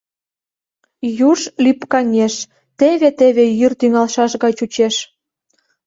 Юж лӱпкаҥеш, теве-теве йӱр тӱҥалшаш гай чучеш.